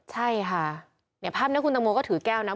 ใช่ค่ะเนี่ยภาพนี้คุณตังโมก็ถือแก้วนะ